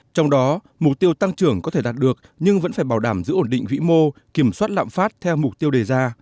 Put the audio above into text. trong đó mục tiêu tăng trưởng có thể đạt được nhưng vẫn phải bảo đảm giữ ổn định vĩ mô kiểm soát lạm phát theo mục tiêu đề ra